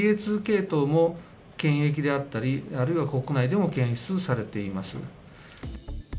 ＢＡ．２系統も検疫であったり、あるいは国内でも検出されています。